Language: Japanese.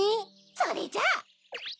それじゃあ。